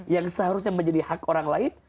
yang seharusnya menjadi hak orang lain